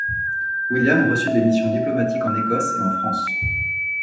William reçut des missions diplomatiques en Écosse et en France.